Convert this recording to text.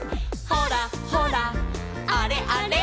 「ほらほらあれあれ」